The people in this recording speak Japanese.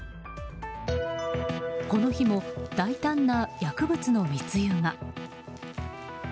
この日も大胆な薬物の密輸が。